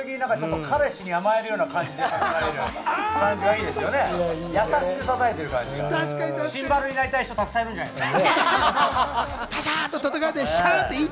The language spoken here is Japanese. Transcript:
彼氏に甘えるような感じがいいですよね、優しくたたいている感じがシンバルになりたい人がたくさんいるんじゃないですか？